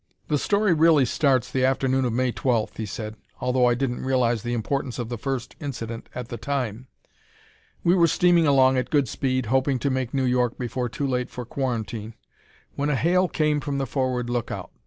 "The story really starts the afternoon of May 12th," he said, "although I didn't realize the importance of the first incident at the time. We were steaming along at good speed, hoping to make New York before too late for quarantine, when a hail came from the forward lookout.